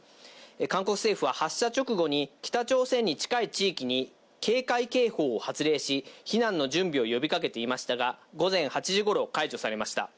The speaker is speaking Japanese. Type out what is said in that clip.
韓国政府は発射直後に北朝鮮に近い地域に警戒警報を発令し、避難の準備を呼び掛けていましたが、午前８時ごろ解除されました。